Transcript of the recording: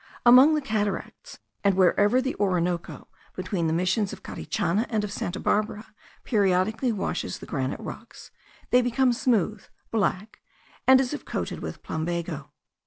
Among the cataracts, and wherever the Orinoco, between the Missions of Carichana and of Santa Barbara, periodically washes the granitic rocks, they become smooth, black, and as if coated with plumbago.